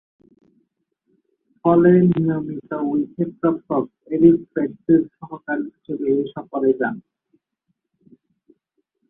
ফলে, নিয়মিত উইকেট-রক্ষক এরিক পেট্রি’র সহকারী হিসেবে এ সফরে যান।